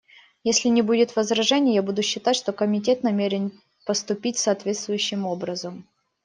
Если не будет возражений, я буду считать, что Комитет намерен поступить соответствующим образом.